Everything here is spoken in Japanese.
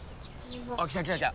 あっ来た来た！